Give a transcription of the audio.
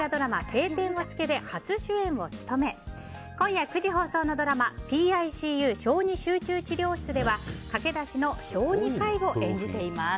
「青天を衝け」で初主演を務め今夜９時放送のドラマ「ＰＩＣＵ小児集中治療室」では駆け出しの小児科医を演じています。